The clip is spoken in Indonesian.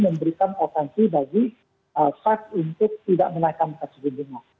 memberikan potensi bagi sac untuk tidak menaikkan kecebunan